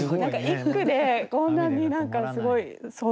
一句でこんなに何かすごい想像が。